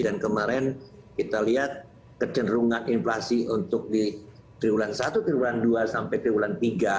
dan kemarin kita lihat kecenderungan inflasi untuk di tribulan satu tribulan dua sampai tribulan tiga